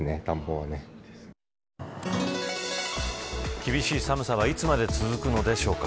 厳しい寒さはいつまで続くのでしょうか。